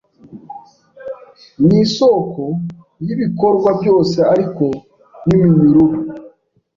nisoko yibikorwa byose ariko niminyururu